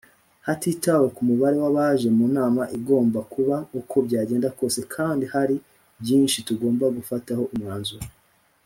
hatitawe ku mubare w’ abaje mu nama igomba kuba uko byagenda kose kandi hari byinshi tugomba gufataho umwanzuro.